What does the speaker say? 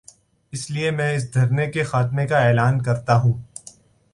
اس لیے میں اس دھرنے کے خاتمے کا اعلان کر تا ہوں۔